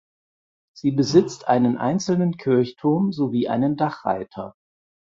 Sie besitzt einen einzelnen Kirchturm sowie einen Dachreiter.